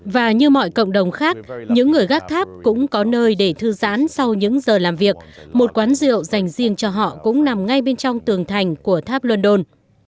và như mọi cộng đồng khác những người gác tháp cũng có nơi để thư giãn sau những giờ làm việc một quán rượu dành riêng cho họ cũng nằm ngay bên trong tường thành của tháp london